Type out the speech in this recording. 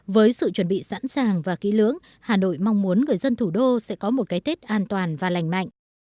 với sự chuẩn bị sẵn sàng và kỹ lưỡng hà nội mong muốn người dân thủ đô sẽ có một cái tết an toàn và lành mạnh